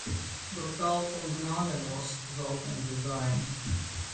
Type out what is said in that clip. Brutal und gnadenlos sollten sie sein.